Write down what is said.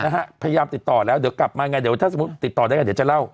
พยายามติดต่อแล้วเดี๋ยวกลับมาไงเดี๋ยวถ้าสมมุติติดต่อได้กันเดี๋ยวจะเล่า